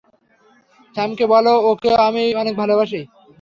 স্যামকে বলো, ওকেও আমি অনেক ভালোবাসি!